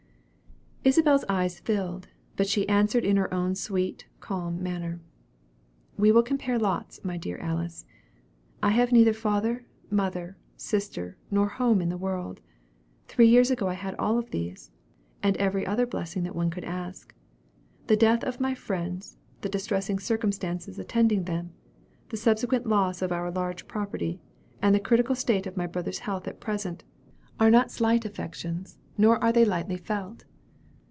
Isabel's eyes filled, but she answered in her own sweet, calm manner: "We will compare lots, my dear Alice. I have neither father, mother, sister, nor home in the world. Three years ago I had all of these, and every other blessing that one could ask. The death of my friends, the distressing circumstances attending them, the subsequent loss of our large property, and the critical state of my brother's health at present, are not slight afflictions, nor are they lightly felt."